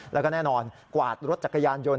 แล้วก็แน่นอนกวาดรถจักรยานยนต